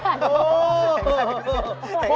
เห็นกำลังเทียด